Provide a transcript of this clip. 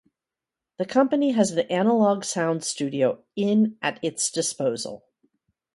The company has an analogue sound studio in at its disposal.